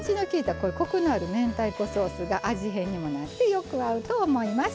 こういうコクのある明太子ソースが味変にもなってよく合うと思います。